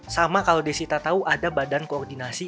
sama kalau desita tahu ada badan koordinasi